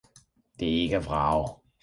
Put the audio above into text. Det er ikke at vrage.